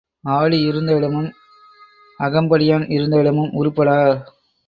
ஆடி இருந்த இடமும் அகம்படியான் இருந்த இடமும் உருப்படா.